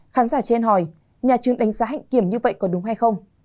khán giả trên hỏi nhà trường đánh giá hạnh kiểm như vậy có đúng hay không